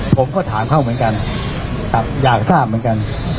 ผมก็ถามเขาเหมือนกันครับอยากทราบเหมือนกัน